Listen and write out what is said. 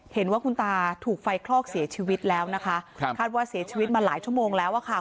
เห็นว่าคุณตาถูกไฟคลอกเสียชีวิตแล้วนะคะครับคาดว่าเสียชีวิตมาหลายชั่วโมงแล้วอะค่ะ